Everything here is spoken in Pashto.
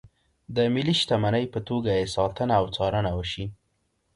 د ملي شتمنۍ په توګه یې ساتنه او څارنه وشي.